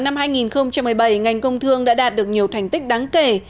năm hai nghìn một mươi bảy ngành công thương đã đạt được nhiều thành tích đáng kể